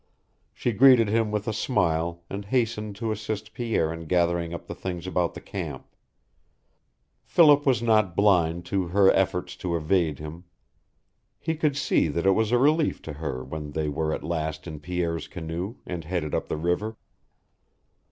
She greeted him with a smile, and hastened to assist Pierre in gathering up the things about the camp. Philip was not blind to her efforts to evade him. He could see that it was a relief to her when they were at last in Pierre's canoe, and headed up the river.